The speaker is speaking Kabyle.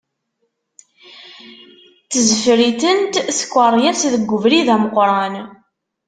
Ttzefritent tkeṛyas deg ubrid ameqqran.